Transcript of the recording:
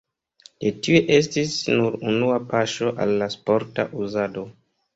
De tiu estis nur unua paŝo al la sporta uzado.